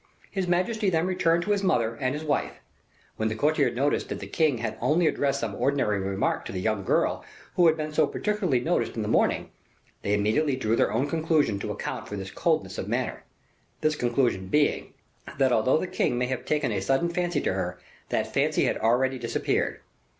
His majesty then returned to his mother and his wife. When the courtiers noticed that the king had only addressed some ordinary remark to the young girl who had been so particularly noticed in the morning, they immediately drew their own conclusion to account for this coldness of manner; this conclusion being, that although the king may have taken a sudden fancy to her, that fancy had already disappeared.